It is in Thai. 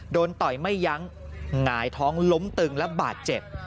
ต่อยไม่ยั้งหงายท้องล้มตึงและบาดเจ็บ